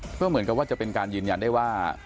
เพื่อเหมือนกับว่าจะเป็นการยืนยันได้ว่า